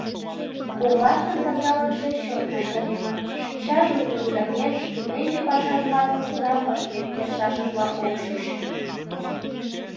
Коваштын тазалыкше чот начаремын: шинчаже утыр удаҥеш, тунемме пашажымат южгунам ыштен кертшашыжла ок чуч.